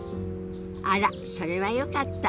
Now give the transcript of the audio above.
あらそれはよかった。